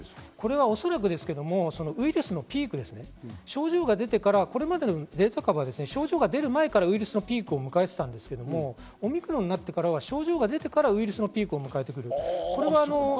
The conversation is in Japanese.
おそらくウイルスのピーク、症状が出てから、これまでのデルタ株は症状が出る前からウイルスのピークを迎えていましたが、オミクロンになってからは症状が出てからウイルスのピークを迎えます。